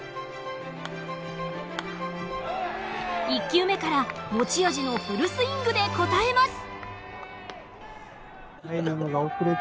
１球目から持ち味のフルスイングで応えます。